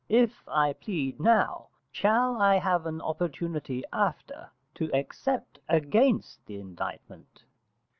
If I plead now, shall I have an opportunity after to except against the indictment?